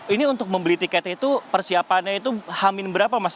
ini untuk membeli tiket itu persiapannya itu hamin berapa mas